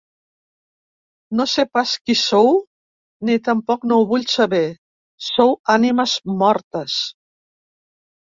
No sé pas qui sou ni tampoc no ho vull saber, sou ànimes mortes.